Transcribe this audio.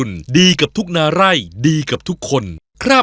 นิยกินที่ไหนดีว่ะเนี่ย